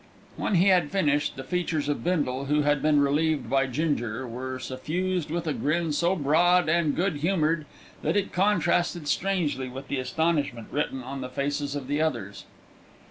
When he had finished, the features of Bindle, who had been relieved by Ginger, were suffused with a grin so broad and good humoured that it contrasted strangely with the astonishment written on the faces of the others.